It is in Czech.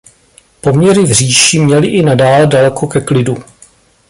Poměry v říši měly i nadále daleko ke klidu.